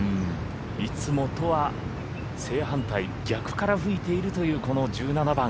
いつもとは正反対逆から吹いているというこの１７番。